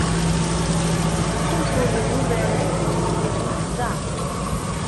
Tinfulin n ubaraz la ttnuzunt da.